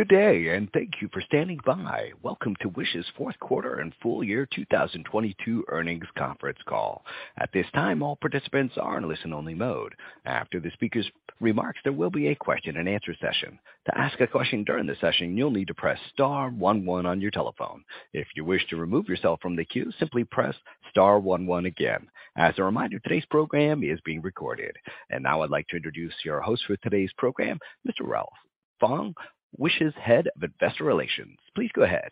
Good day, thank you for standing by. Welcome to WISH's Fourth quarter and Full year 2022 Earnings Conference Call. At this time, all participants are in listen-only mode. After the speaker's remarks, there will be a question-and-answer session. To ask a question during the session, you'll need to press star one one on your telephone. If you wish to remove yourself from the queue, simply press star one one again. As a reminder, today's program is being recorded. Now I'd like to introduce your host for today's program, Mr. Ralph Fong, WISH's Head of Investor Relations. Please go ahead.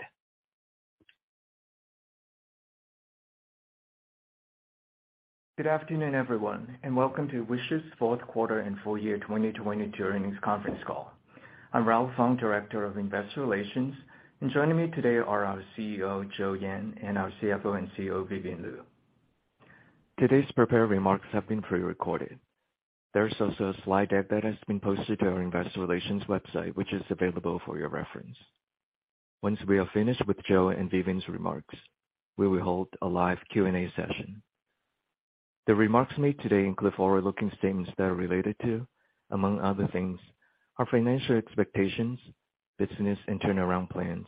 Good afternoon, everyone, welcome to WISH's fourth quarter and full year 2022 earnings conference call. I'm Ralph Fong, Director of Investor Relations. Joining me today are our CEO, Joe Yan, and our CFO and COO, Vivian Liu. Today's prepared remarks have been prerecorded. There's also a slide deck that has been posted to our investor relations website, which is available for your reference. Once we are finished with Joe and Vivian's remarks, we will hold a live Q&A session. The remarks made today include forward-looking statements that are related to, among other things, our financial expectations, business and turnaround plans,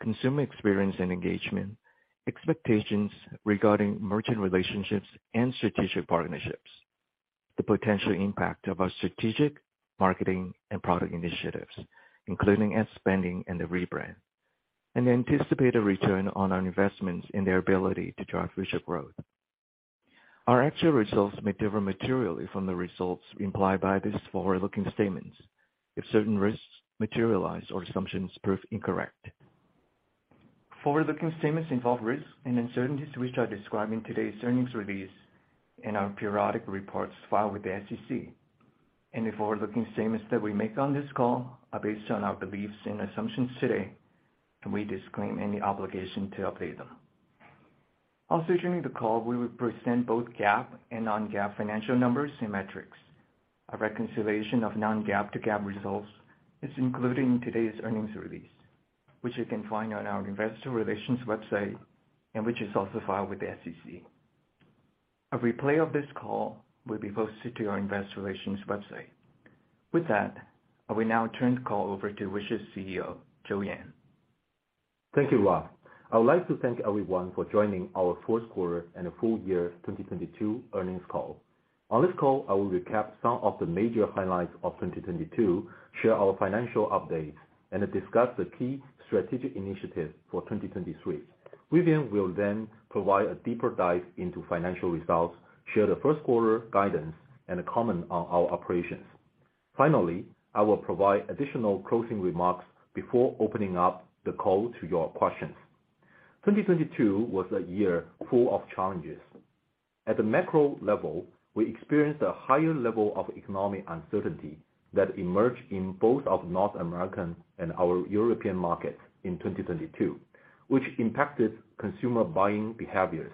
consumer experience and engagement, expectations regarding merchant relationships and strategic partnerships, the potential impact of our strategic, marketing, and product initiatives, including ad spending and the rebrand, and anticipate a return on our investments and their ability to drive future growth. Our actual results may differ materially from the results implied by these forward-looking statements if certain risks materialize or assumptions prove incorrect. Forward-looking statements involve risks and uncertainties which are described in today's earnings release and our periodic reports filed with the SEC. Any forward-looking statements that we make on this call are based on our beliefs and assumptions today, and we disclaim any obligation to update them. During the call, we will present both GAAP and non-GAAP financial numbers and metrics. A reconciliation of non-GAAP to GAAP results is included in today's earnings release, which you can find on our investor relations website and which is also filed with the SEC. A replay of this call will be posted to our investor relations website. With that, I will now turn the call over to WISH's CEO, Joe Yan. Thank you, Ralph. I would like to thank everyone for joining our fourth quarter and full year 2022 earnings call. On this call, I will recap some of the major highlights of 2022, share our financial updates, and discuss the key strategic initiatives for 2023. Vivian will provide a deeper dive into financial results, share the first quarter guidance, and comment on our operations. I will provide additional closing remarks before opening up the call to your questions. 2022 was a year full of challenges. At the macro level, we experienced a higher level of economic uncertainty that emerged in both of North American and our European markets in 2022, which impacted consumer buying behaviors.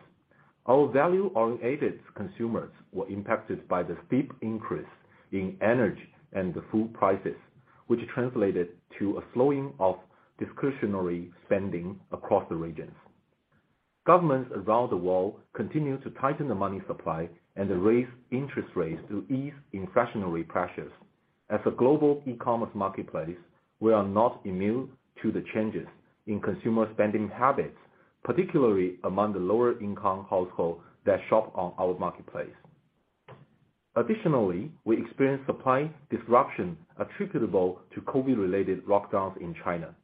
Our value-orientated consumers were impacted by the steep increase in energy and the food prices, which translated to a slowing of discretionary spending across the regions. Governments around the world continued to tighten the money supply and raise interest rates to ease inflationary pressures. As a global e-commerce marketplace, we are not immune to the changes in consumer spending habits, particularly among the lower-income households that shop on our marketplace. Additionally, we experienced supply disruption attributable to COVID related lockdowns in China.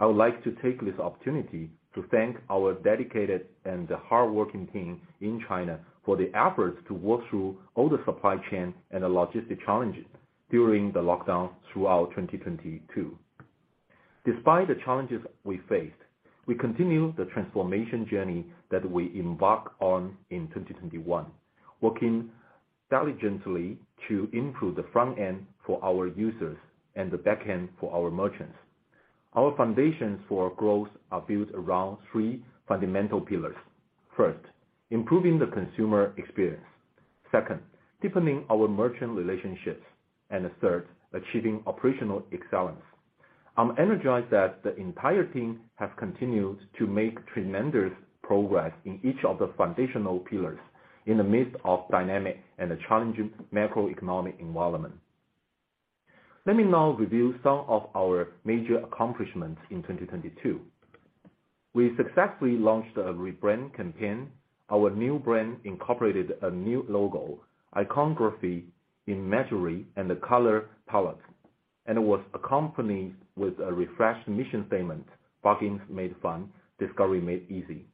I would like to take this opportunity to thank our dedicated and hardworking team in China for their efforts to work through all the supply chain and the logistic challenges during the lockdowns throughout 2022. Despite the challenges we faced, we continue the transformation journey that we embarked on in 2021, working diligently to improve the front end for our users and the back end for our merchants. Our foundations for growth are built around three fundamental pillars. First, improving the consumer experience. Second, deepening our merchant relationships. Third, achieving operational excellence. I'm energized that the entire team has continued to make tremendous progress in each of the foundational pillars in the midst of dynamic and a challenging macroeconomic environment. Let me now review some of our major accomplishments in 2022. We successfully launched a rebrand campaign. Our new brand incorporated a new logo, iconography imagery, and the color palette, and was accompanied with a refreshed mission statement, "Bargains made fun, discovery made easy,"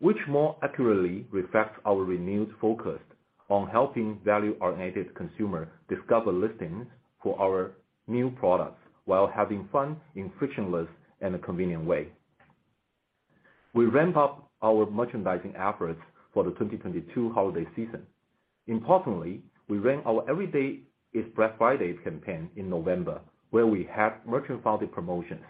which more accurately reflects our renewed focus on helping value-oriented consumer discover listings for our new products while having fun in frictionless and a convenient way. We ramp up our merchandising efforts for the 2022 holiday season. Importantly, we ran our Every Day is Black Friday campaign in November, where we have merchant-funded promotions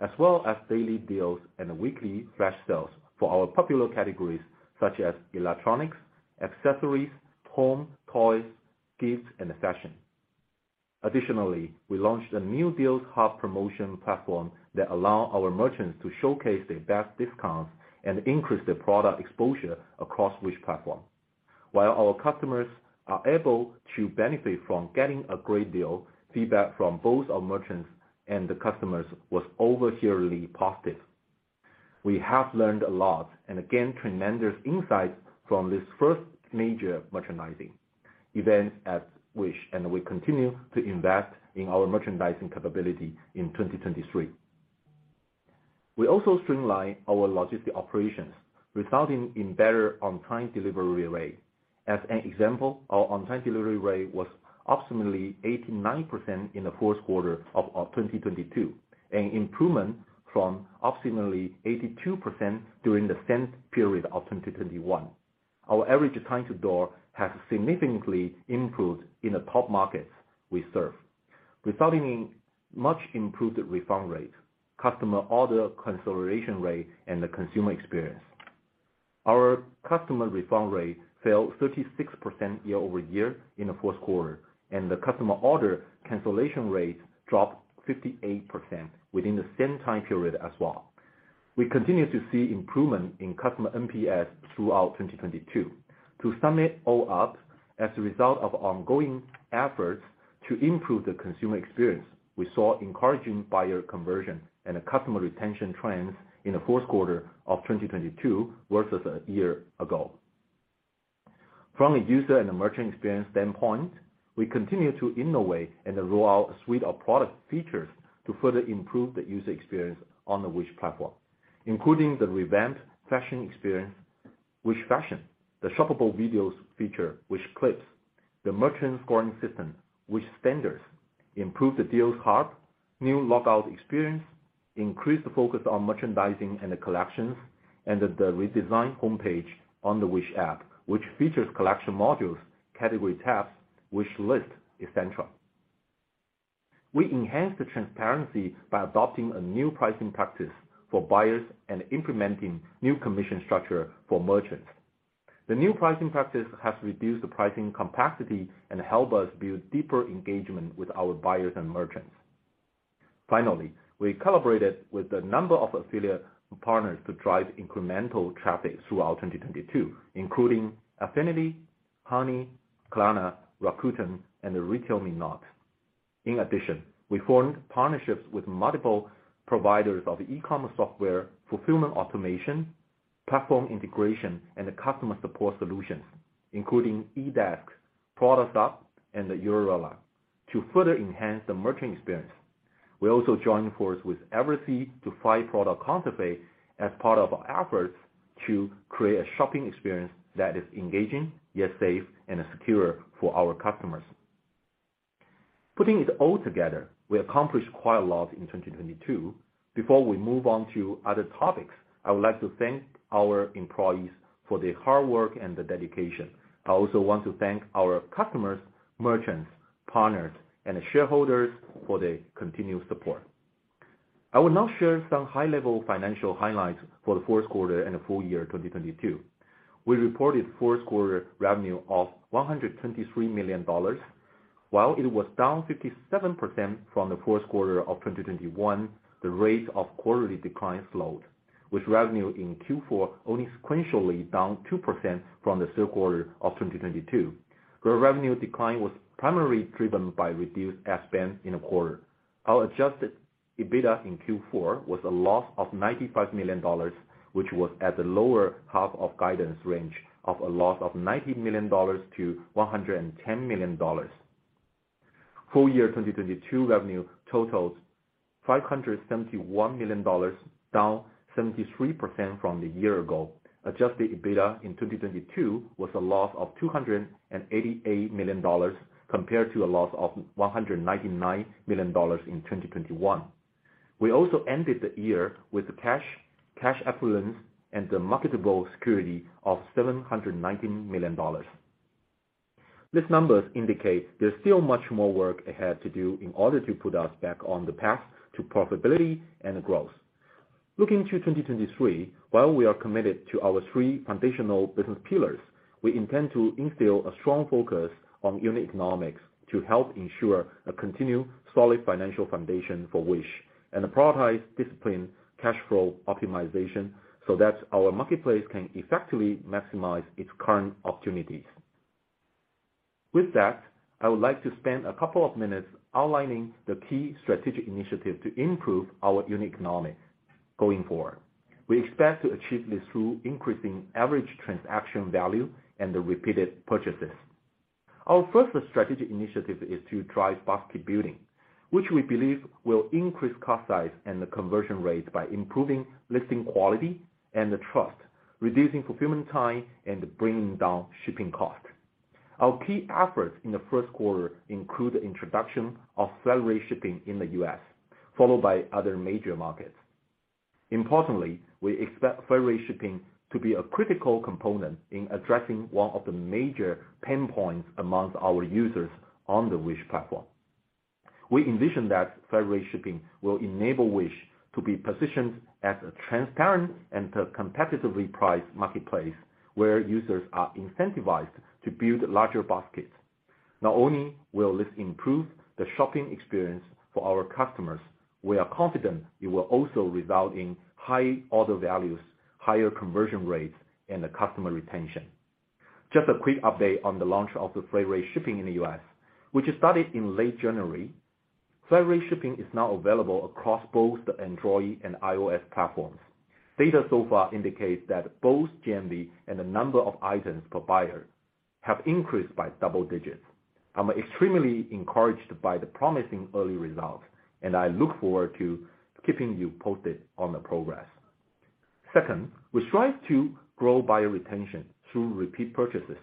as well as daily deals and weekly flash sales for our popular categories such as electronics, accessories, home, toys, gifts, and fashion. Additionally, we launched a new Deals Hub promotion platform that allow our merchants to showcase their best discounts and increase their product exposure across Wish platform. Our customers are able to benefit from getting a great deal, feedback from both our merchants and the customers was overwhelmingly positive. We have learned a lot and again, tremendous insights from this first major merchandising event at WISH, and we continue to invest in our merchandising capability in 2023. We also streamline our logistic operations, resulting in better on-time delivery rate. As an example, our on-time delivery rate was approximately 89% in the fourth quarter of 2022, an improvement from approximately 82% during the same period of 2021. Our average time to door has significantly improved in the top markets we serve, resulting in much improved refund rate, customer order consolidation rate, and the consumer experience. Our customer refund rate fell 36% year-over-year in the fourth quarter, and the customer order cancellation rate dropped 58% within the same time period as well. We continue to see improvement in customer NPS throughout 2022. To sum it all up, as a result of ongoing efforts to improve the consumer experience, we saw encouraging buyer conversion and a customer retention trends in the fourth quarter of 2022 versus a year ago. From a user and a merchant experience standpoint, we continue to innovate and roll out a suite of product features to further improve the user experience on the WISH platform, including the revamped fashion experience, WISH Fashion, the shoppable videos feature, WISH Clips, the merchant scoring system, WISH Standards, improved Deals Hub, new logout experience, increased focus on merchandising and the collections, and the redesigned homepage on the Wish app, which features collection modules, category tabs, wishlists, et cetera. We enhanced the transparency by adopting a new pricing practice for buyers and implementing new commission structure for merchants. The new pricing practice has reduced the pricing complexity and help us build deeper engagement with our buyers and merchants. Finally, we collaborated with a number of affiliate partners to drive incremental traffic throughout 2022, including Affinity, Honey, Klarna, Rakuten, and the RetailMeNot. We formed partnerships with multiple providers of e-commerce software, fulfillment automation, platform integration, and the customer support solutions, including eDesk, Productsup, and Eurora to further enhance the merchant experience. We also joined force with EverC to fight product counterfeit as part of our efforts to create a shopping experience that is engaging, yet safe and secure for our customers. Putting it all together, we accomplished quite a lot in 2022. Before we move on to other topics, I would like to thank our employees for their hard work and the dedication. I also want to thank our customers, merchants, partners, and the shareholders for their continued support. I will now share some high-level financial highlights for the fourth quarter and the full year 2022. We reported fourth quarter revenue of $123 million. While it was down 57% from the fourth quarter of 2021, the rate of quarterly decline slowed, with revenue in Q4 only sequentially down 2% from the third quarter of 2022, where revenue decline was primarily driven by reduced ad spend in the quarter. Our Adjusted EBITDA in Q4 was a loss of $95 million, which was at the lower half of guidance range of a loss of $90 million-$110 million. Full year 2022 revenue totals $571 million, down 73% from the year ago. Adjusted EBITDA in 2022 was a loss of $288 million compared to a loss of $199 million in 2021. We also ended the year with the cash, cash equivalents, and the marketable security of $719 million. These numbers indicate there's still much more work ahead to do in order to put us back on the path to profitability and growth. Looking to 2023, while we are committed to our three foundational business pillars, we intend to instill a strong focus on unit economics to help ensure a continued solid financial foundation for Wish and prioritize disciplined cash flow optimization, so that our marketplace can effectively maximize its current opportunities. With that, I would like to spend a couple of minutes outlining the key strategic initiative to improve our unit economics going forward. We expect to achieve this through increasing average transaction value and the repeated purchases. Our first strategic initiative is to drive basket building, which we believe will increase cart size and the conversion rate by improving listing quality and the trust, reducing fulfillment time, and bringing down shipping cost. Our key efforts in the first quarter include the introduction of accelerated shipping in the US, followed by other major markets. Importantly, we expect accelerated shipping to be a critical component in addressing one of the major pain points amongst our users on the Wish platform. We envision that accelerated shipping will enable WISH to be positioned as a transparent and a competitively priced marketplace where users are incentivized to build larger baskets. Not only will this improve the shopping experience for our customers, we are confident it will also result in high order values, higher conversion rates, and customer retention. Just a quick update on the launch of the flat rate shipping in the U.S., which started in late January. Flat rate shipping is now available across both the Android and iOS platforms. Data so far indicates that both GMV and the number of items per buyer have increased by double digits. I'm extremely encouraged by the promising early results. I look forward to keeping you posted on the progress. Second, we strive to grow buyer retention through repeat purchases.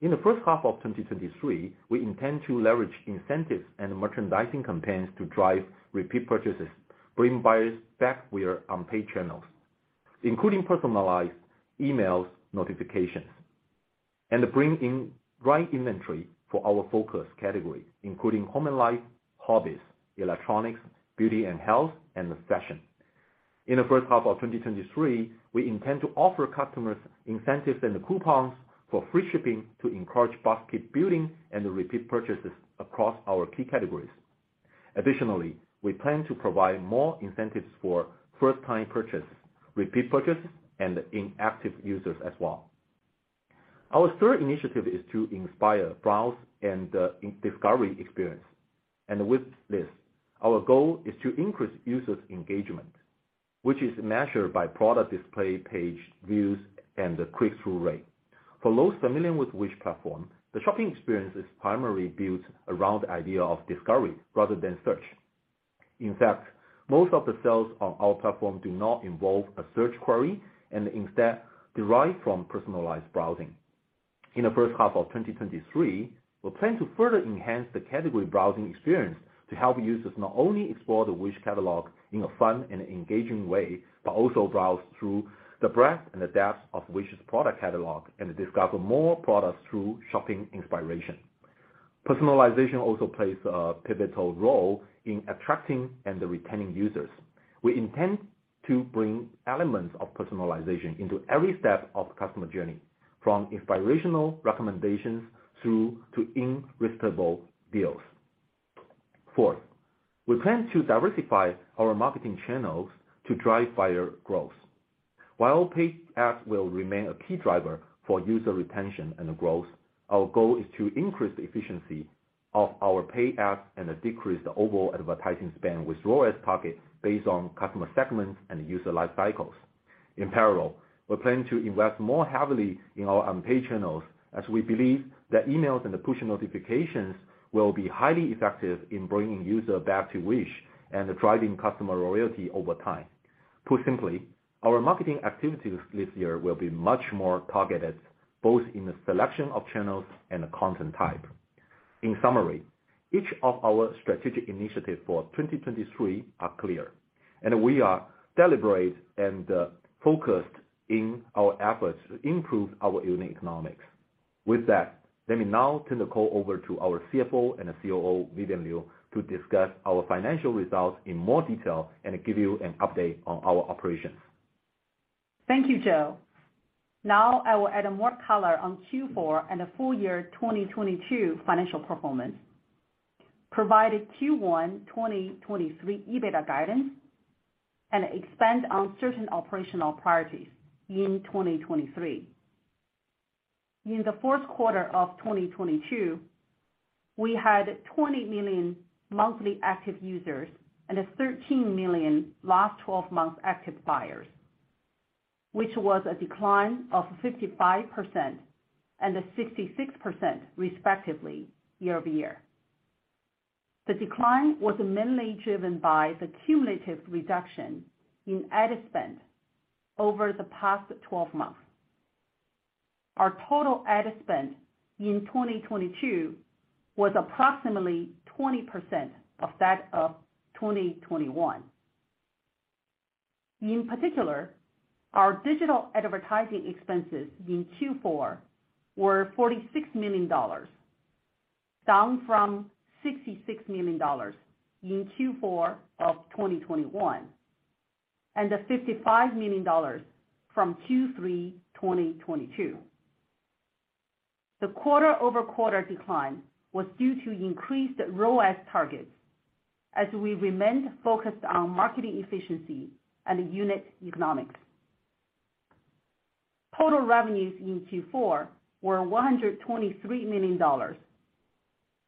In the first half of 2023, we intend to leverage incentives and merchandising campaigns to drive repeat purchases, bring buyers back where on paid channels, including personalized emails, notifications, and bring in right inventory for our focus category, including home and life, hobbies, electronics, beauty and health, and fashion. In the first half of 2023, we intend to offer customers incentives and coupons for free shipping to encourage basket building and repeat purchases across our key categories. Additionally, we plan to provide more incentives for first-time purchase, repeat purchase, and inactive users as well. Our third initiative is to inspire browse and discovery experience. With this, our goal is to increase users' engagement, which is measured by product display page views and the click-through rate. For those familiar with WISH platform, the shopping experience is primarily built around the idea of discovery rather than search. In fact, most of the sales on our platform do not involve a search query, and instead derive from personalized browsing. In the first half of 2023, we plan to further enhance the category browsing experience to help users not only explore the WISH catalog in a fun and engaging way, but also browse through the breadth and the depth of WISH's product catalog and discover more products through shopping inspiration. Personalization also plays a pivotal role in attracting and retaining users. We intend to bring elements of personalization into every step of the customer journey, from inspirational recommendations through to irresistible deals. Fourth, we plan to diversify our marketing channels to drive buyer growth. While paid ads will remain a key driver for user retention and growth, our goal is to increase the efficiency of our paid ads and decrease the overall advertising spend with ROAS targets based on customer segments and user life cycles. In parallel, we're planning to invest more heavily in our unpaid channels, as we believe that emails and the push notifications will be highly effective in bringing users back to Wish and driving customer loyalty over time. Put simply, our marketing activities this year will be much more targeted, both in the selection of channels and content type. In summary, each of our strategic initiatives for 2023 are clear, and we are deliberate and focused in our efforts to improve our unit economics. With that, let me now turn the call over to our CFO and COO, Vivian Liu, to discuss our financial results in more detail and give you an update on our operations. Thank you, Joe. Now I will add more color on Q4 and the full year 2022 financial performance, provide a Q1 2023 EBITDA guidance, and expand on certain operational priorities in 2023. In the fourth quarter of 2022, we had 20 million Monthly Active Users and 13 million last 12 months active buyers, which was a decline of 55% and 66% respectively year-over-year. The decline was mainly driven by the cumulative reduction in ad spend over the past 12 months. Our total ad spend in 2022 was approximately 20% of that of 2021. In particular, our digital advertising expenses in Q4 were $46 million, down from $66 million in Q4 of 2021, and $55 million from Q3 2022. The quarter-over-quarter decline was due to increased ROAS targets as we remained focused on marketing efficiency and unit economics. Total revenues in Q4 were $123 million,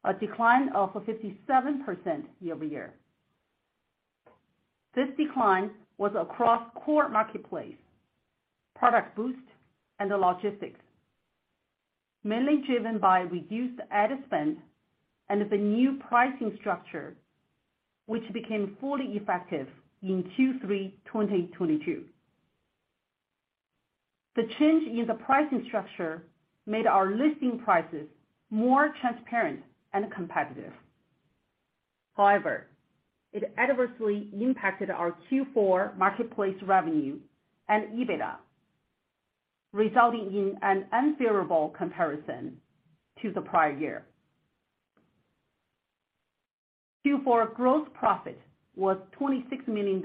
a decline of 57% year-over-year. This decline was across core marketplace, ProductBoost, and the logistics, mainly driven by reduced ad spend and the new pricing structure, which became fully effective in Q3 2022. The change in the pricing structure made our listing prices more transparent and competitive. It adversely impacted our Q4 marketplace revenue and EBITDA, resulting in an unfavorable comparison to the prior year. Q4 gross profit was $26 million,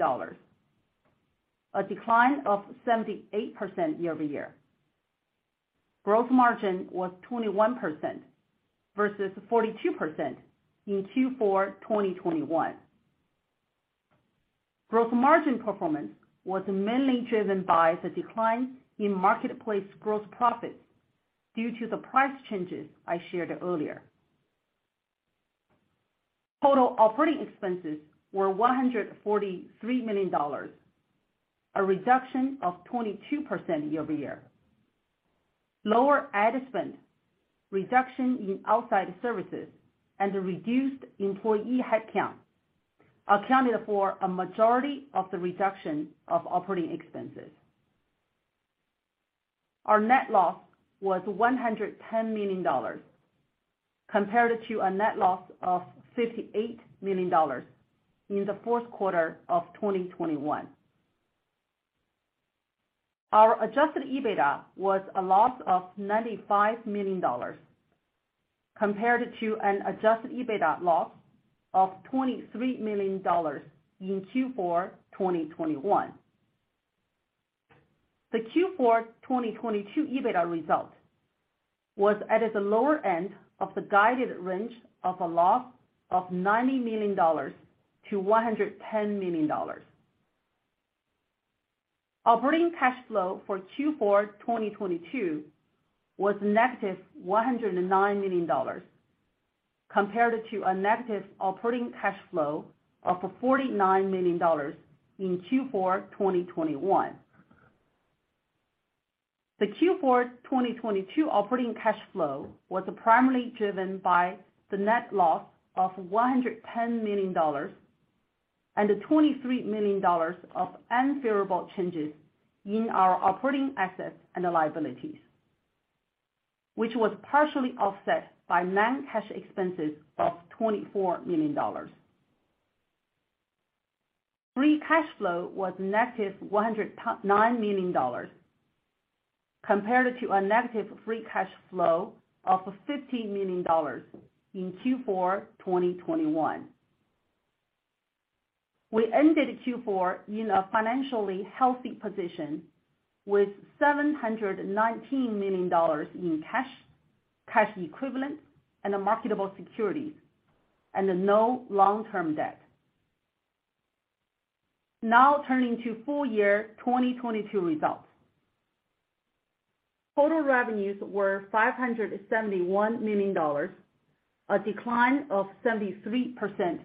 a decline of 78% year-over-year. Gross margin was 21% versus 42% in Q4 2021. Gross margin performance was mainly driven by the decline in marketplace gross profits due to the price changes I shared earlier. Total operating expenses were $143 million, a reduction of 22% year-over-year. Lower ad spend, reduction in outside services, and reduced employee headcount accounted for a majority of the reduction of operating expenses. Our net loss was $110 million compared to a net loss of $58 million in the fourth quarter of 2021. Our Adjusted EBITDA was a loss of $95 million compared to an Adjusted EBITDA loss of $23 million in Q4 2021. The Q4 2022 EBITDA result was at the lower end of the guided range of a loss of $90 million-$110 million. Operating cash flow for Q4 2022 was negative $109 million compared to a negative operating cash flow of $49 million in Q4 2021. The Q4 2022 operating cash flow was primarily driven by the net loss of $110 million and the $23 million of unfavorable changes in our operating assets and liabilities, which was partially offset by non-cash expenses of $24 million. free cash flow was negative $109 million compared to a negative free cash flow of $50 million in Q4 2021. We ended Q4 in a financially healthy position with $719 million in cash, cash equivalents and marketable securities, and no long-term debt. Turning to full year 2022 results. Total revenues were $571 million, a decline of 73%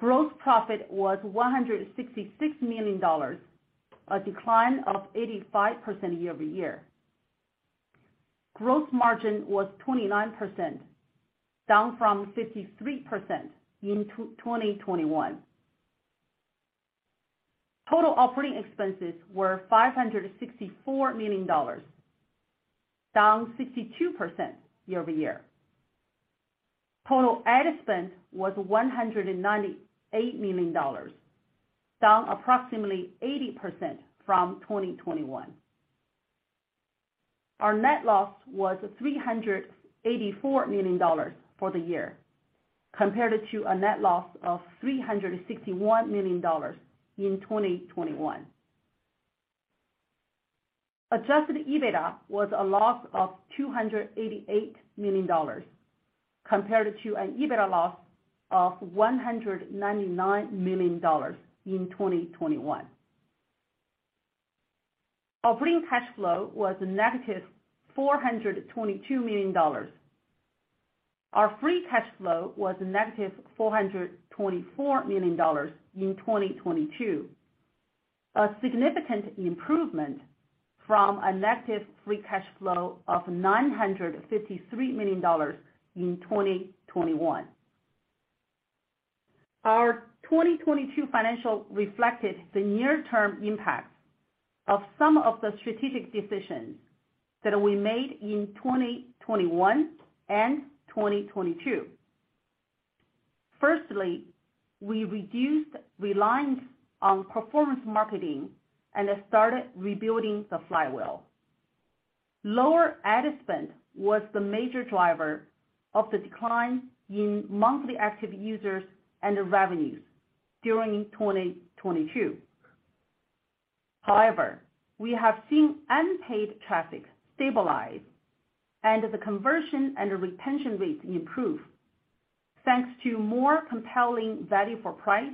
year-over-year. Gross profit was $166 million, a decline of 85% year-over-year. Gross margin was 29%, down from 53% in 2021. Total operating expenses were $564 million, down 62% year-over-year. Total ad spend was $198 million, down approximately 80% from 2021. Our net loss was $384 million for the year, compared to a net loss of $361 million in 2021. Adjusted EBITDA was a loss of $288 million compared to an EBITDA loss of $199 million in 2021. Operating cash flow was negative $422 million. Our free cash flow was negative $424 million in 2022, a significant improvement from a negative free cash flow of $953 million in 2021. Our 2022 financial reflected the near term impact of some of the strategic decisions that we made in 2021 and 2022. Firstly, we reduced reliance on performance marketing and started rebuilding the flywheel. Lower ad spend was the major driver of the decline in Monthly Active Users and the revenues during 2022. However, we have seen unpaid traffic stabilize and the conversion and retention rates improve thanks to more compelling value for price,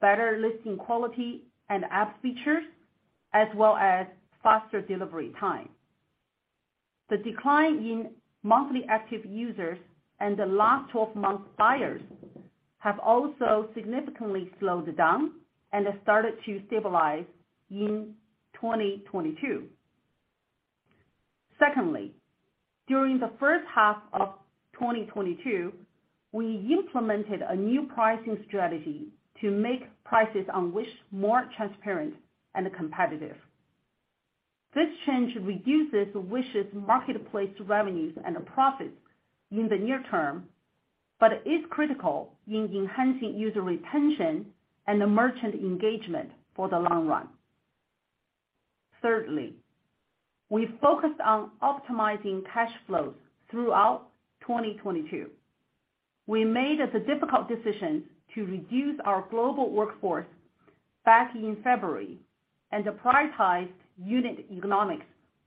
better listing quality and app features, as well as faster delivery time. The decline in Monthly Active Users and the last 12 months buyers have also significantly slowed down and started to stabilize in 2022. Secondly, during the first half of 2022, we implemented a new pricing strategy to make prices on WISH more transparent and competitive. This change reduces WISH's marketplace revenues and profits in the near term, but is critical in enhancing user retention and merchant engagement for the long run. Thirdly, we focused on optimizing cash flows throughout 2022. We made the difficult decision to reduce our global workforce back in February and prioritize unit economics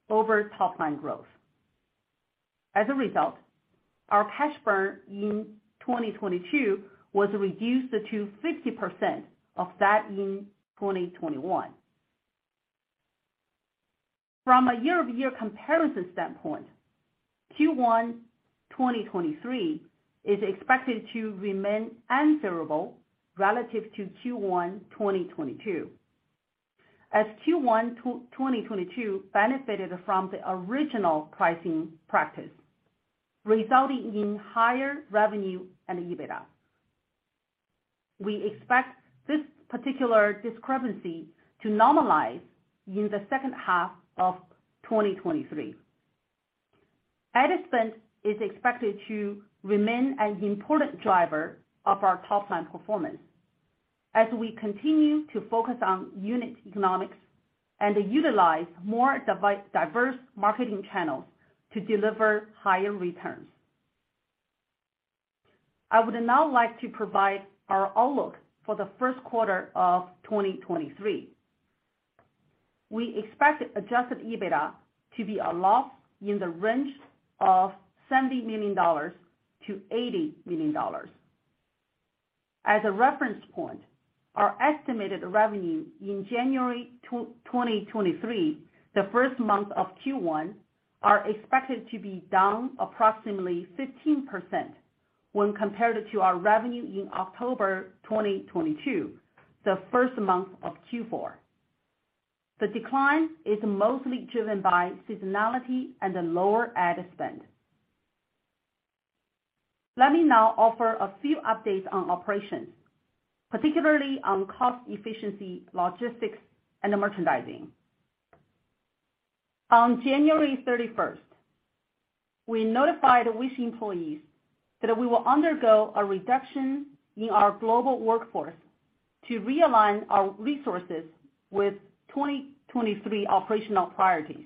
over top line growth. As a result, our cash burn in 2022 was reduced to 50% of that in 2021. From a year-over-year comparison standpoint, Q1 2023 is expected to remain answerable relative to Q1 2022, as Q1 2022 benefited from the original pricing practice, resulting in higher revenue and EBITDA. We expect this particular discrepancy to normalize in the second half of 2023. Ad spend is expected to remain an important driver of our top line performance as we continue to focus on unit economics and utilize more diverse marketing channels to deliver higher returns. I would now like to provide our outlook for the first quarter of 2023. We expect Adjusted EBITDA to be a loss in the range of $70 million-$80 million. As a reference point, our estimated revenue in January 2023, the first month of Q1, are expected to be down approximately 15% when compared to our revenue in October 2022, the first month of Q4. The decline is mostly driven by seasonality and the lower ad spend. Let me now offer a few updates on operations, particularly on cost efficiency, logistics, and merchandising. On January 31st, we notified WISH employees that we will undergo a reduction in our global workforce to realign our resources with 2023 operational priorities.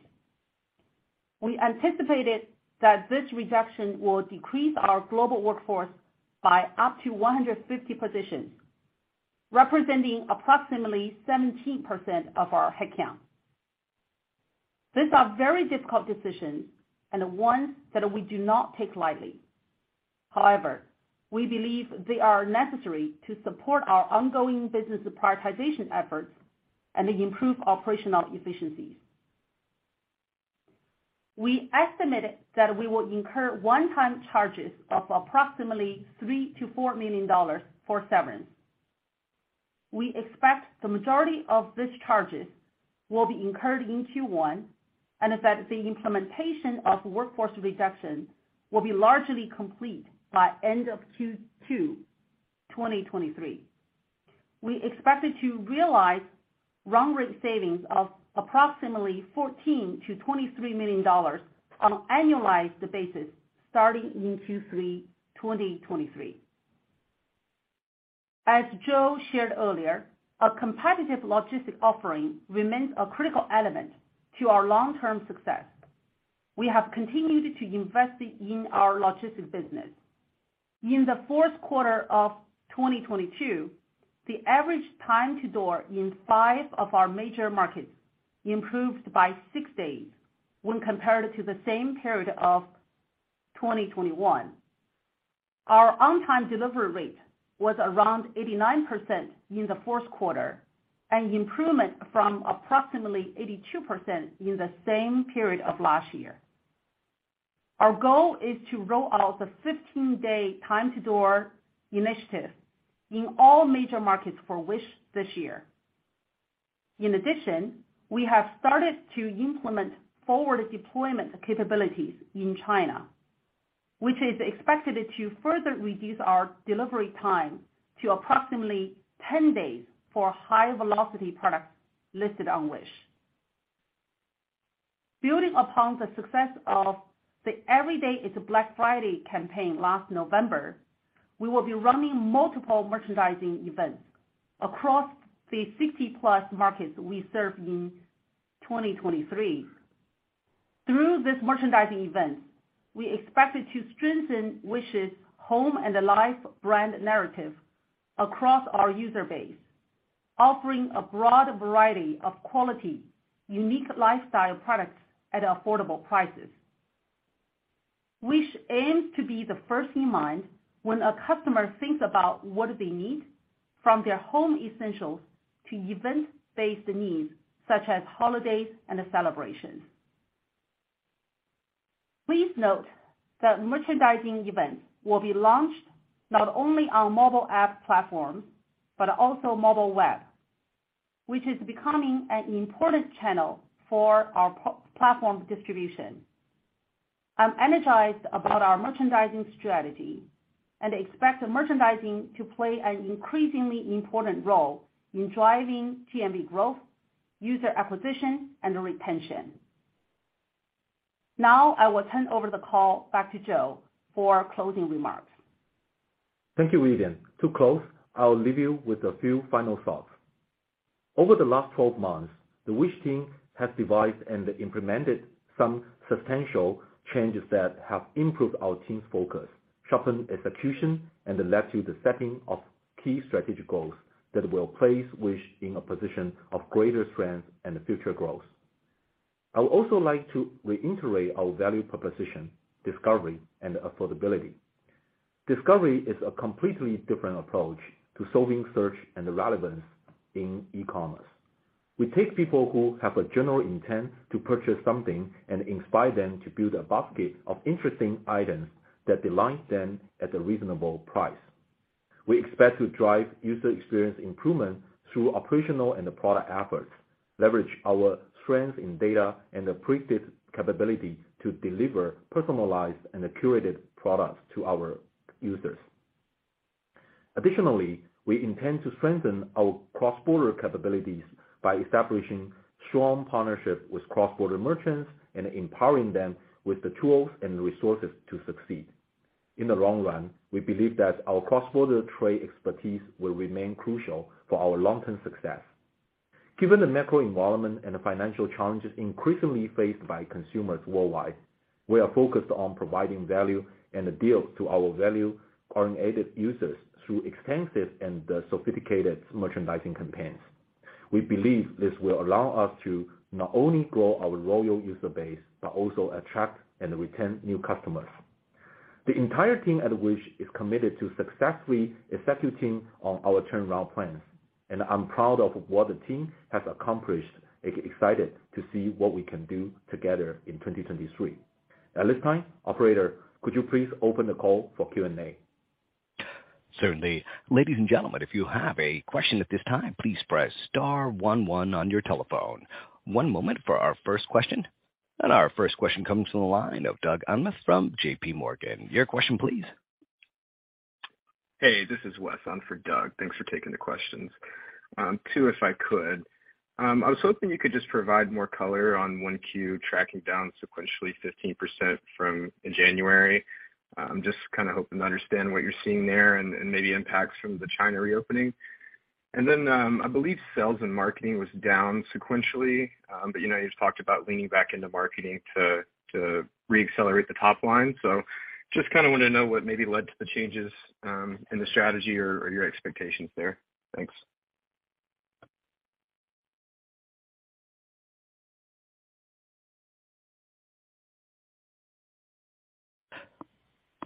We anticipated that this reduction will decrease our global workforce by up to 150 positions, representing approximately 17% of our head count. These are very difficult decisions and ones that we do not take lightly. However, we believe they are necessary to support our ongoing business prioritization efforts and improve operational efficiencies. We estimated that we will incur one-time charges of approximately $3 million-$4 million for severance. We expect the majority of these charges will be incurred in Q1, and that the implementation of workforce reduction will be largely complete by end of Q2 2023. We expect to realize run rate savings of approximately $14 million-$23 million on an annualized basis starting in Q3 2023. As Joe shared earlier, a competitive logistics offering remains a critical element to our long-term success. We have continued to invest in our logistics business. In the fourth quarter of 2022, the average time to door in five of our major markets improved by six days when compared to the same period of 2021. Our on-time delivery rate was around 89% in the fourth quarter, an improvement from approximately 82% in the same period of last year. Our goal is to roll out the 15 day time to door initiative in all major markets for WISH this year. In addition, we have started to implement forward deployment capabilities in China, which is expected to further reduce our delivery time to approximately 10 days for high velocity products listed on WISH. Building upon the success of the Everyday is Black Friday campaign last November, we will be running multiple merchandising events across the 60-plus markets we serve in 2023. Through these merchandising events, we expect to strengthen WISH's home and life brand narrative across our user base, offering a broad variety of quality, unique lifestyle products at affordable prices. WISH aims to be the first in mind when a customer thinks about what they need from their home essentials to event-based needs such as holidays and celebrations. Please note that merchandising events will be launched not only on mobile app platforms, but also mobile web, which is becoming an important channel for our platform distribution. I'm energized about our merchandising strategy and expect merchandising to play an increasingly important role in driving GMV growth, user acquisition, and retention. Now I will turn over the call back to Joe for closing remarks. Thank you, Vivian. To close, I'll leave you with a few final thoughts. Over the last twelve months, the WISH team has devised and implemented some substantial changes that have improved our team's focus, sharpened execution, and led to the setting of key strategic goals that will place WISH in a position of greater strength and future growth. I would also like to reiterate our value proposition, discovery and affordability. Discovery is a completely different approach to solving search and relevance in ecommerce. We take people who have a general intent to purchase something and inspire them to build a basket of interesting items that delights them at a reasonable price. We expect to drive user experience improvement through operational and product efforts, leverage our strength in data and the predictive capability to deliver personalized and curated products to our users. Additionally, we intend to strengthen our cross-border capabilities by establishing strong partnerships with cross-border merchants and empowering them with the tools and resources to succeed. In the long run, we believe that our cross-border trade expertise will remain crucial for our long-term success. Given the macro environment and the financial challenges increasingly faced by consumers worldwide, we are focused on providing value and deals to our value-oriented users through extensive and sophisticated merchandising campaigns. We believe this will allow us to not only grow our loyal user base, but also attract and retain new customers. The entire team at WISH is committed to successfully executing on our turnaround plans, and I'm proud of what the team has accomplished. Excited to see what we can do together in 2023. At this time, operator, could you please open the call for Q&A? Certainly. Ladies and gentlemen, if you have a question at this time, please press star one one on your telephone. One moment for our first question. Our first question comes from the line of Doug Anmuth from J.P. Morgan. Your question please. Hey, this is Wes on for Doug. Thanks for taking the questions. Two, if I could. I was hoping you could just provide more color on 1Q tracking down sequentially 15% from January. Just kinda hoping to understand what you're seeing there and maybe impacts from the China reopening. Then, I believe sales and marketing was down sequentially, but you know, you've talked about leaning back into marketing to re-accelerate the top line. Just kinda wanna know what maybe led to the changes in the strategy or your expectations there. Thanks.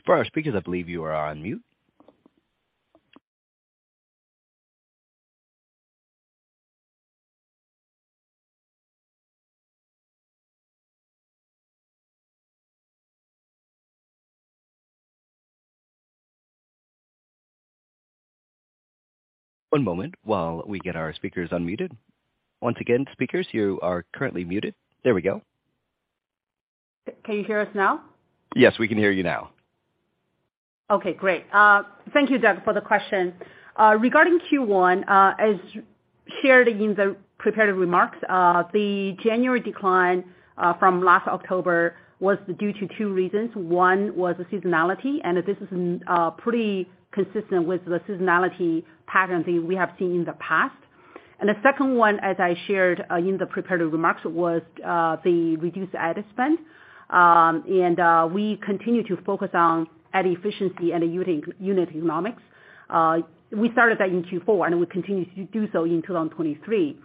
For our speakers, I believe you are on mute. One moment while we get our speakers unmuted. Once again, speakers, you are currently muted. There we go. Can you hear us now? Yes, we can hear you now. Okay, great. Thank you, Doug, for the question. Regarding Q1, as shared in the prepared remarks, the January decline from last October was due to two reasons. One was seasonality, this is pretty consistent with the seasonality pattern we have seen in the past. The second one, as I shared in the prepared remarks, was the reduced ad spend. We continue to focus on ad efficiency and unit economics. We started that in Q4, we continue to do so in 2023.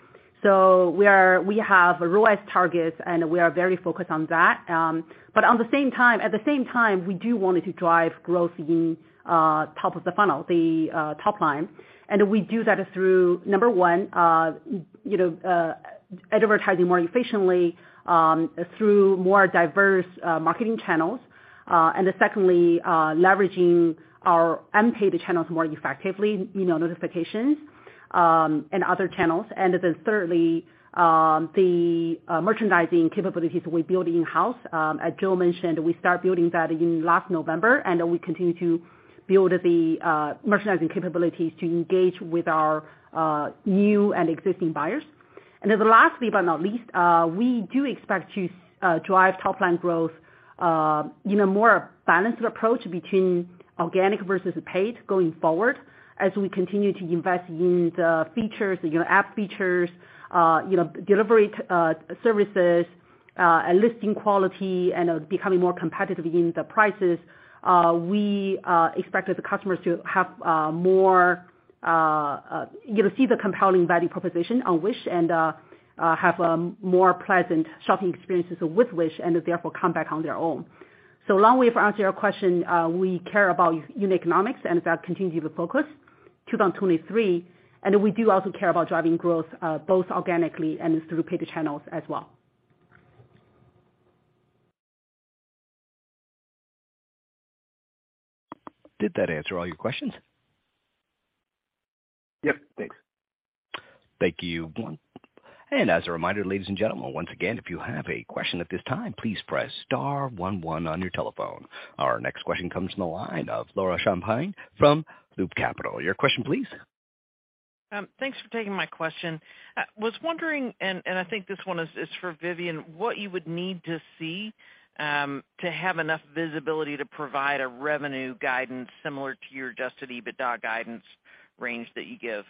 We have ROAS targets, we are very focused on that. At the same time, we do want to drive growth in top of the funnel, the top line. We do that through, number one, you know, advertising more efficiently, through more diverse marketing channels. Secondly, leveraging our unpaid channels more effectively, email notifications, and other channels. Thirdly, the merchandising capabilities we build in-house. As Joe mentioned, we start building that in last November, and we continue to build the merchandising capabilities to engage with our new and existing buyers. Lastly but not least, we do expect to drive top line growth in a more balanced approach between organic versus paid going forward as we continue to invest in the features, you know, app features, you know, delivery services, listing quality and becoming more competitive in the prices. We expect the customers to have more, you know, see the compelling value proposition on WISH and have more pleasant shopping experiences with WISH and therefore come back on their own. Long way of answering your question, we care about unit economics and that continued focus, 2023, and we do also care about driving growth, both organically and through paid channels as well. Did that answer all your questions? Yep. Thanks. Thank you. As a reminder, ladies and gentlemen, once again, if you have a question at this time, please press star one one on your telephone. Our next question comes from the line of Laura Champine from Loop Capital. Your question please. Thanks for taking my question. I was wondering, and I think this one is for Vivian, what you would need to see to have enough visibility to provide a revenue guidance similar to your Adjusted EBITDA guidance range that you give.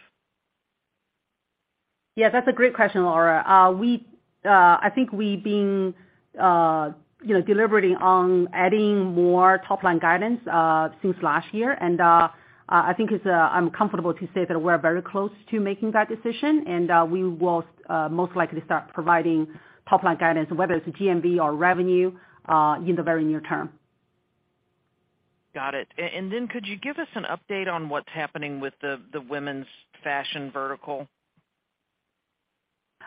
Yeah, that's a great question, Laura. We, I think we've been, you know, deliberating on adding more top-line guidance since last year. I think it's, I'm comfortable to say that we're very close to making that decision, and we will most likely start providing top-line guidance, whether it's GMV or revenue, in the very near term. Got it. Then could you give us an update on what's happening with the women's fashion vertical?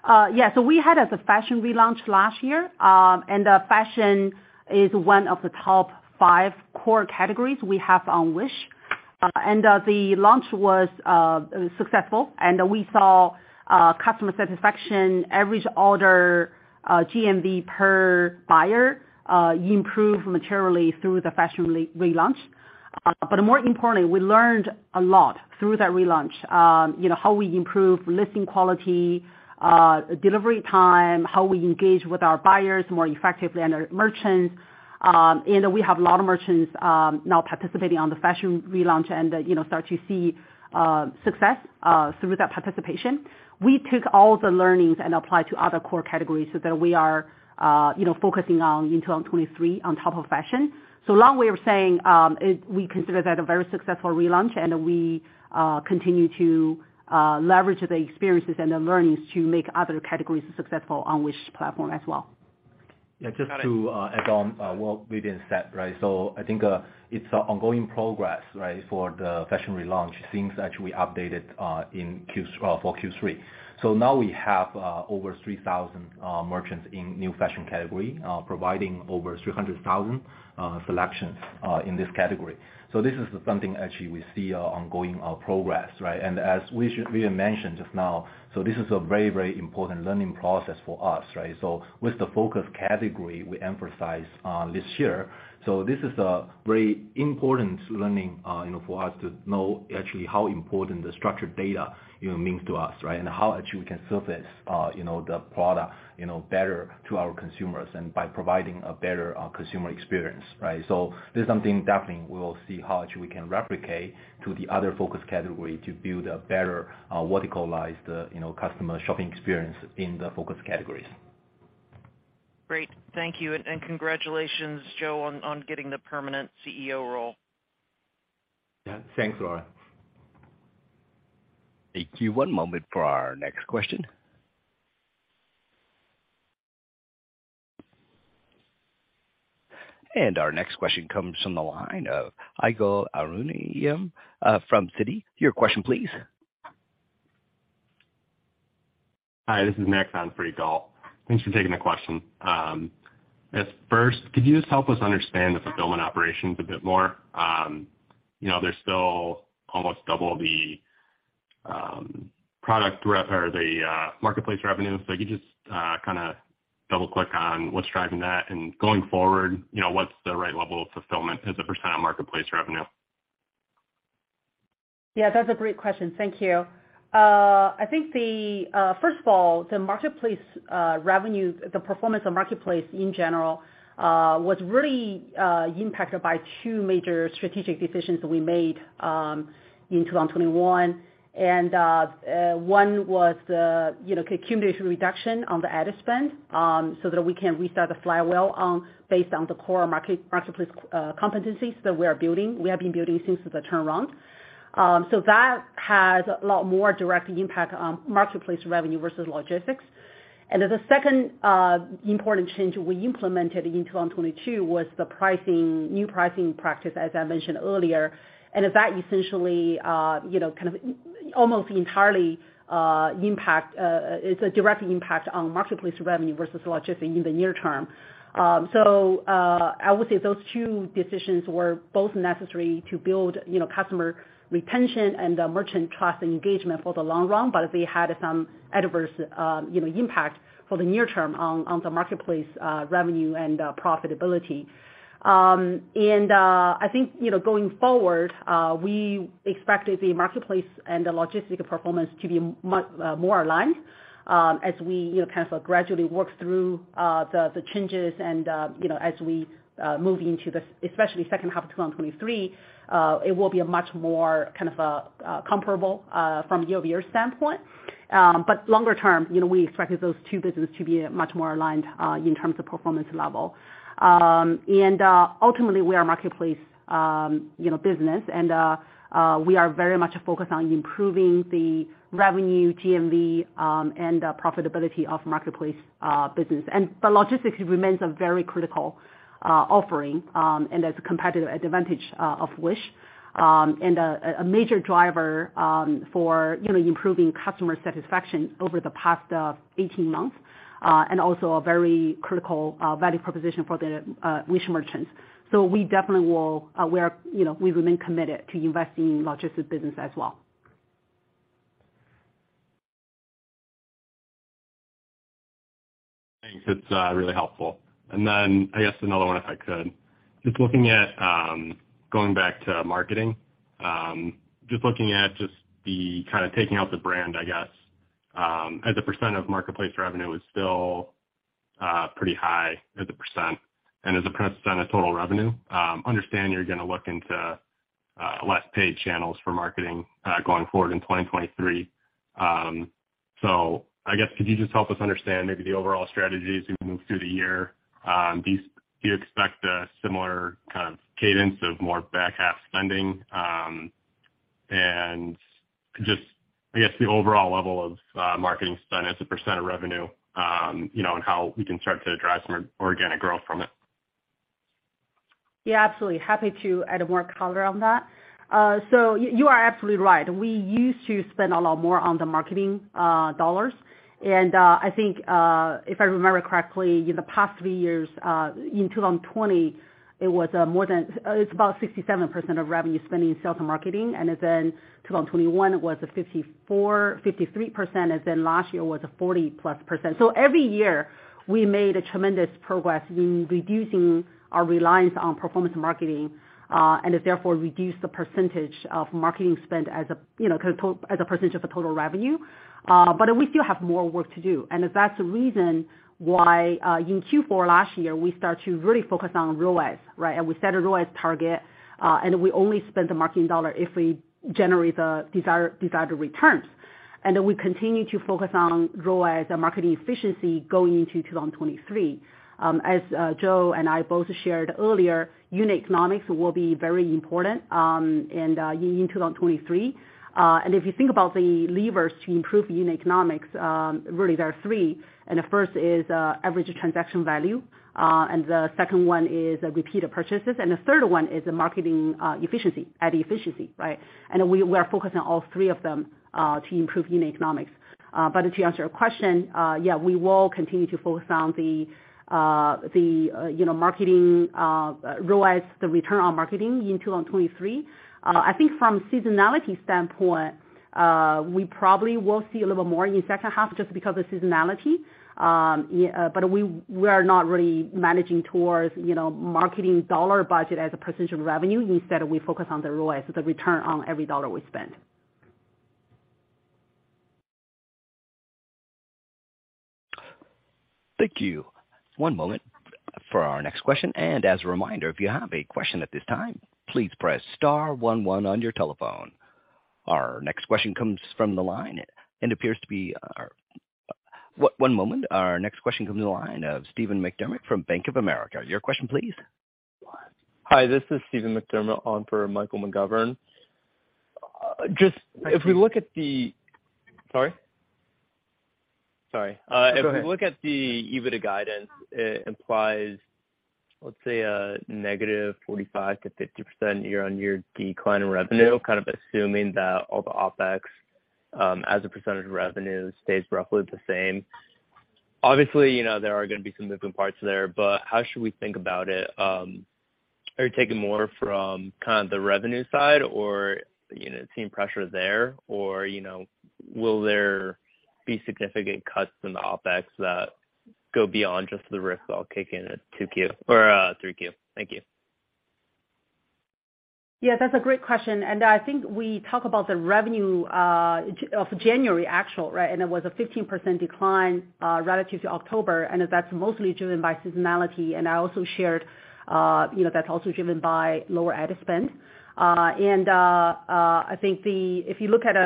Yeah. We had as a fashion relaunch last year, and fashion is one of the top five core categories we have on WISH. The launch was successful, and we saw customer satisfaction, average order, GMV per buyer, improve materially through the fashion relaunch. More importantly, we learned a lot through that relaunch, you know, how we improve listing quality, delivery time, how we engage with our buyers more effectively and our merchants. We have a lot of merchants now participating on the fashion relaunch and, you know, start to see success through that participation. We took all the learnings and applied to other core categories so that we are, you know, focusing on into 2023 on top of fashion. So long way of saying, we consider that a very successful relaunch, and we continue to leverage the experiences and the learnings to make other categories successful on Wish platform as well. Yeah. Just to add on what Vivian said, right? I think it's a ongoing progress for the fashion relaunch since actually we updated in for Q3. Now we have over 3,000 merchants in new fashion category, providing over 300,000 selections in this category. This is something actually we see ongoing progress, right? As Vivian mentioned just now, this is a very, very important learning process for us, right? With the focus category we emphasize this year, this is a very important learning, you know, for us to know actually how important the structured data, you know, means to us, right? How actually we can surface, you know, the product, you know, better to our consumers and by providing a better, consumer experience, right? This is something definitely we'll see how actually we can replicate to the other focus category to build a better, verticalized, you know, customer shopping experience in the focus categories. Great. Thank you, and congratulations, Joe, on getting the permanent CEO role. Yeah. Thanks, Laura. Thank you. One moment for our next question. Our next question comes from the line of Ygal Arounian, from Citi. Your question please. Hi, this is Max on for Ygal. Thanks for taking the question. As first, could you just help us understand the fulfillment operations a bit more? You know, they're still almost double the product or the marketplace revenue. If you could just kinda double-click on what's driving that, and going forward, you know, what's the right level of fulfillment as a percent of marketplace revenue? Yeah, that's a great question. Thank you. I think the... First of all, the marketplace revenue, the performance of marketplace in general, was really impacted by two major strategic decisions that we made in 2021. One was the, you know, cumulative reduction on the ad spend, so that we can restart the flywheel, based on the core marketplace competencies that we are building, we have been building since the turnaround. So that has a lot more direct impact on marketplace revenue versus logistics. And the second important change we implemented in 2022 was the pricing, new pricing practice as I mentioned earlier. And is that essentially, you know, kind of almost entirely impact, it's a direct impact on marketplace revenue versus logistics in the near term. So I would say those two decisions were both necessary to build, you know, customer retention and merchant trust and engagement for the long run, but they had some adverse, you know, impact for the near term on the marketplace revenue and profitability. And I think, you know, going forward, we expect the marketplace and the logistic performance to be much more aligned, as we, you know, kind of gradually work through the changes and, you know, as we move into the, especially second half of 2023, it will be a much more kind of comparable from year-over-year standpoint. Longer term, you know, we expect those two business to be much more aligned in terms of performance level. Ultimately, we are a marketplace, you know, business, we are very much focused on improving the revenue GMV and profitability of marketplace business. The logistics remains a very critical offering and as a competitive advantage of WISH, and a major driver for, you know, improving customer satisfaction over the past 18 months, and also a very critical value proposition for the WISH merchants. We definitely will, we are, you know, we remain committed to investing in logistics business as well. Thanks. It's really helpful. I guess another one if I could. Just looking at going back to marketing, just looking at just the kind of taking out the brand, I guess, as a percent of marketplace revenue is still pretty high as a percent and as a percent of total revenue. Understand you're gonna look into less paid channels for marketing going forward in 2023. So I guess could you just help us understand maybe the overall strategies as we move through the year? Do you, do you expect a similar kind of cadence of more back half spending? Just, I guess the overall level of marketing spend as a percent of revenue, you know, and how we can start to drive some organic growth from it? Yeah, absolutely. Happy to add more color on that. You are absolutely right. We used to spend a lot more on the marketing dollars. I think, if I remember correctly, in the past three years, in 2020, it was more than... It's about 67% of revenue spending in sales and marketing. 2021, it was 53%, last year was 40% plus. Every year, we made a tremendous progress in reducing our reliance on performance marketing, and therefore reduced the percentage of marketing spend as a, you know, as a percentage of the total revenue. We still have more work to do. That's the reason why, in Q4 last year, we start to really focus on ROAS, right? We set a ROAS target, and we only spend the marketing dollar if we generate the desired returns. We continue to focus on ROAS and marketing efficiency going into 2023. As Joe and I both shared earlier, unit economics will be very important in 2023. If you think about the levers to improve unit economics, really there are three. The first is average transaction value, and the second one is repeated purchases, and the third one is the marketing efficiency, ad efficiency, right? We're focused on all three of them to improve unit economics. To answer your question, yeah, we will continue to focus on the, you know, marketing ROAS, the return on marketing in 2023. I think from seasonality standpoint, we probably will see a little more in second half just because of seasonality. We are not really managing towards, you know, marketing dollar budget as a percentage of revenue. Instead, we focus on the ROAS, the return on every dollar we spend. Thank you. One moment for our next question. As a reminder, if you have a question at this time, please press star one one on your telephone. Our next question comes from the line. One moment. Our next question comes from the line of Steven McDermott from Bank of America. Your question please. Hi, this is Steven McDermott on for Michael McGovern. Just if we look at. Sorry? Sorry. Go ahead. If we look at the EBITDA guidance, it implies, let's say, a -45% to -50% year-on-year decline in revenue, kind of assuming that all the OpEx as a percentage of revenue stays roughly the same. Obviously, you know, there are gonna be some moving parts there. How should we think about it? Are you taking more from kind of the revenue side or, you know, seeing pressure there? Will there be significant cuts in the OpEx that go beyond just the risk all kicking in at 2Q or 3Q? Thank you. Yeah, that's a great question. I think we talk about the revenue of January actual, right? It was a 15% decline relative to October, and that's mostly driven by seasonality. I also shared, you know, that's also driven by lower ad spend. I think if you look at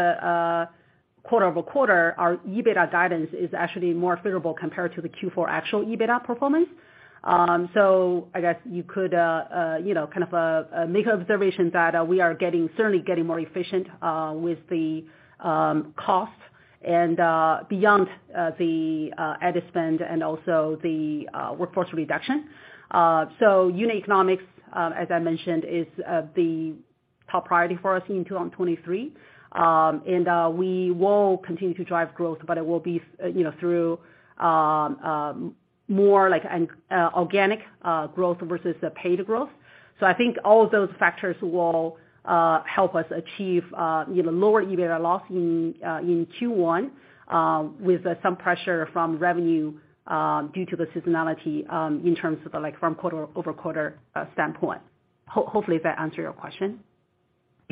quarter-over-quarter, our EBITDA guidance is actually more favorable compared to the Q4 actual EBITDA performance. I guess you could, you know, kind of make an observation that we are getting, certainly getting more efficient with the cost and beyond the ad spend and also the workforce reduction. Unit economics, as I mentioned, is the top priority for us in 2023. And we will continue to drive growth, but it will be, you know, through more like an organic growth versus a paid growth. I think all of those factors will help us achieve, you know, lower EBITDA loss in Q1 with some pressure from revenue due to the seasonality in terms of like from quarter-over-quarter standpoint. Hopefully that answered your question.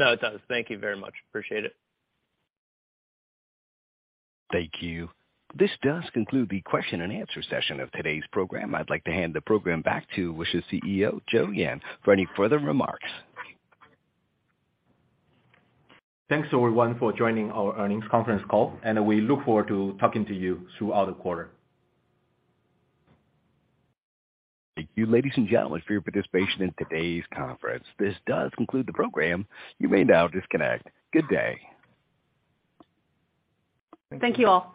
It does. Thank you very much. Appreciate it. Thank you. This does conclude the question and answer session of today's program. I'd like to hand the program back to WISH's CEO, Joe Yan, for any further remarks. Thanks everyone for joining our earnings conference call, and we look forward to talking to you throughout the quarter. Thank you, ladies and gentlemen, for your participation in today's conference. This does conclude the program. You may now disconnect. Good day. Thank you. Thank you all.